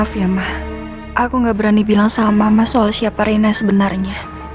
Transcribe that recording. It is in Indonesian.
maaf ya ma aku gak berani bilang sama mama soal siapa rena sebenarnya